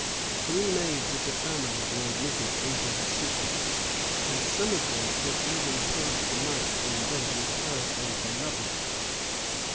Three maids of the family were admitted into her secrets; and some of them had even passed the night in bed with her and her lovers.